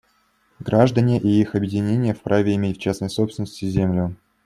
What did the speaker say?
Граждане и их объединения вправе иметь в частной собственности землю.